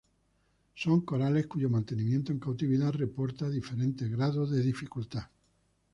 Son corales cuyo mantenimiento en cautividad reporta diferentes grados de dificultad.